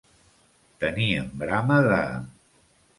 Tenir en brama de.